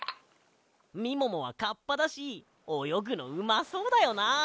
みももはカッパだしおよぐのうまそうだよな！